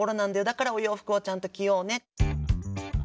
だからお洋服はちゃんと着ようね。